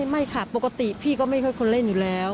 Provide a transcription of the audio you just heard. ไม่ค่ะปกติพี่ก็ไม่ค่อยคนเล่นอยู่แล้ว